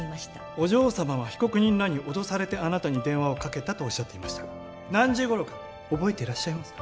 お嬢さまは被告人らに脅されてあなたに電話をかけたと仰っていましたが何時頃か覚えていらっしゃいますか？